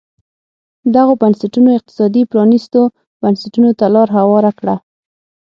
دغو بنسټونو اقتصادي پرانیستو بنسټونو ته لار هواره کړه.